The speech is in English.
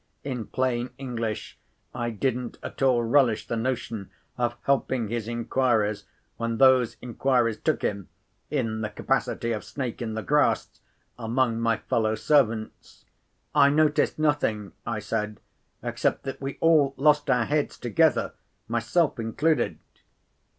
In plain English, I didn't at all relish the notion of helping his inquiries, when those inquiries took him (in the capacity of snake in the grass) among my fellow servants. "I noticed nothing," I said, "except that we all lost our heads together, myself included."